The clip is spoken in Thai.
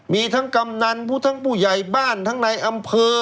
มีทั้งกำนันผู้ทั้งผู้ใหญ่บ้านทั้งในอำเภอ